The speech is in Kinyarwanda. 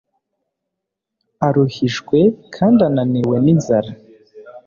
Aruhijwe kandi ananiwe n'inzara